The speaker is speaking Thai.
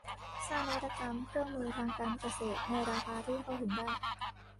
สร้างนวัตกรรมเครื่องมือทางการเกษตรในราคาที่เข้าถึงได้